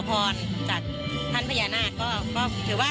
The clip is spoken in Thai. ก็จะไปขอพรกัน